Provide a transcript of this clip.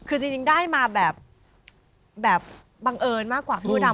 คือจริงได้มาแบบแบบบังเอิญมากกว่าผู้ดำ